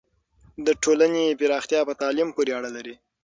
د ټولنې پراختیا په تعلیم پورې اړه لري.